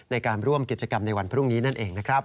ในการร่วมกิจกรรมในวันพรุ่งนี้นั่นเองนะครับ